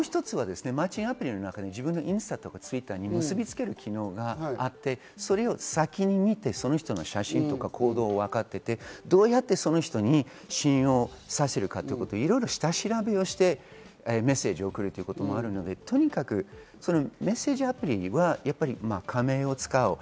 マッチングアプリの中に自分のインスタとかＴｗｉｔｔｅｒに結びつける機能があって、先に見て、その人の写真とか行動をわかっていて、どうやってその人に信用させるかということをいろいろ下調べしてメッセージを送ることもあるのでメッセージアプリは仮名を使う。